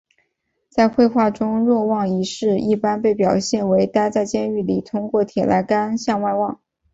在绘画中若望一世一般被表现为待在监狱里通过铁栏杆向外望。